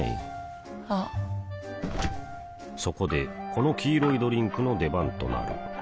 あっそこでこの黄色いドリンクの出番となる